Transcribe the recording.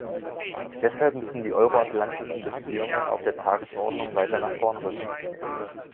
Deshalb müssen die euro-atlantischen Beziehungen auf der Tagesordnung weiter nach vorn rücken.